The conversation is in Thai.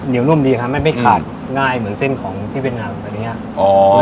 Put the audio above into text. เหนียวนุ่มดีค่ะมันไม่ขาดง่ายเหมือนเส้นของที่เวียดนังกว่านี้ค่ะ